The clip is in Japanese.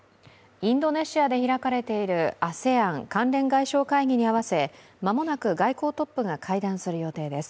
インドネシアで開かれているＡＳＥＡＮ関連外相会議に合わせ間もなく外交トップが会談する予定です。